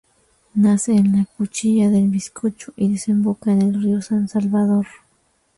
Nace en la Cuchilla del Bizcocho y desemboca en el río San Salvador.